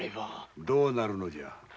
どうなるのじゃ。